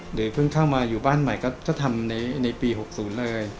หรือเพิ่งเข้ามาอยู่บ้านใหม่ก็ทำในปี๖๐เลย